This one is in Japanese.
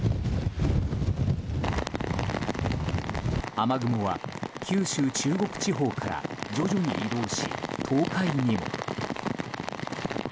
雨雲は九州・中国地方から徐々に移動し、東海にも。